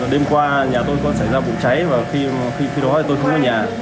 đêm qua nhà tôi có xảy ra bụng cháy và khi đó tôi không ở nhà